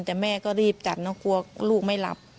แต่แม่ก็รีบตัดนะกลัวลูกไม่หลับ